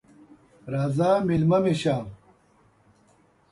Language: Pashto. راځه مېلمه مې سه!